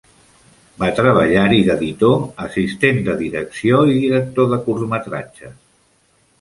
Va treballar-hi d'editor, assistent de direcció i director de curtmetratges.